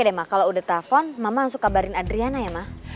deh mah kalau udah telepon mama langsung kabarin adriana ya mak